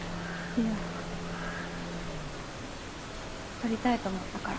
撮りたいと思ったから。